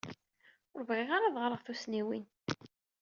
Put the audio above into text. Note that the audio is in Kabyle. Ur bɣiɣ ara ad ɣreɣ tussniwin.